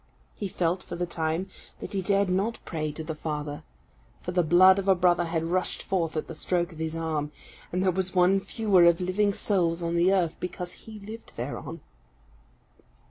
He felt, for the time, that he dared not pray to the Father, for the blood of a brother had rushed forth at the stroke of his arm, and there was one fewer of living souls on the earth because he lived thereon.